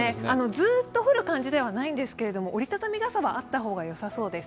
ずっと降る感じではないんですけど、折り畳み傘はあった方がよさそうです。